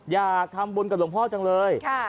อยากทำบุญกับหลวงพ่อจังเลย